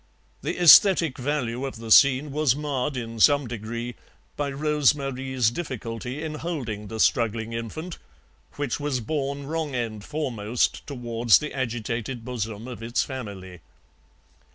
The aesthetic value of the scene was marred in some degree by Rose Marie's difficulty in holding the struggling infant, which was borne wrong end foremost towards the agitated bosom of its family.